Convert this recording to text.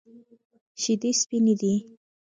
شیدې سپینې دي.